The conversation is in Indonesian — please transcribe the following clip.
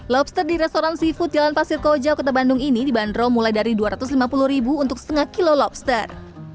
lobster di restoran seafood jalan pasir koja kota bandung ini dibanderol mulai dari dua ratus lima puluh untuk setengah kilo lobster